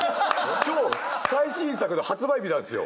今日最新作の発売日なんですよ。